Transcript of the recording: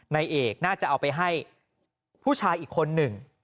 นายเอกน่าจะเอาไปให้ผู้ชายอีกคนหนึ่ง